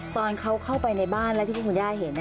ตอนเขาเข้าไปในบ้านแล้วที่คุณย่าเห็น